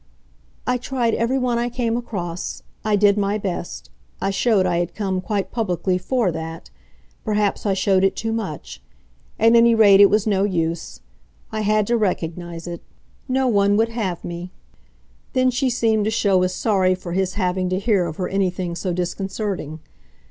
"I tried everyone I came across. I did my best. I showed I had come, quite publicly, FOR that. Perhaps I showed it too much. At any rate it was no use. I had to recognise it. No one would have me." Then she seemed to show as sorry for his having to hear of her anything so disconcerting.